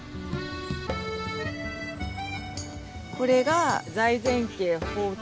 これが財前家宝塔。